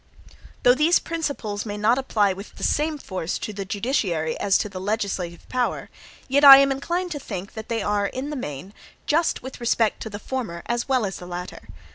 Though these principles may not apply with the same force to the judiciary as to the legislative power, yet I am inclined to think that they are, in the main, just with respect to the former, as well as the latter.